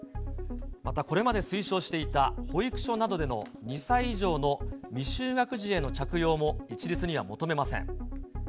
またこれまで推奨していた、保育所などでの２歳以上の未就学児への着用も一律には求めません。